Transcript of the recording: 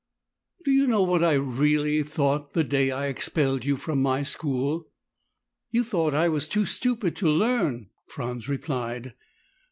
"Do you know what I really thought the day I expelled you from my school?" "You thought I was too stupid to learn," Franz replied.